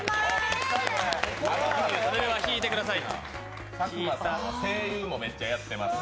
それでは引いてください。